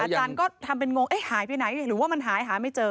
อาจารย์ก็ทำเป็นงงหายไปไหนหรือว่ามันหายหาไม่เจอ